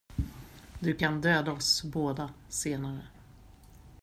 Du kan döda oss båda senare.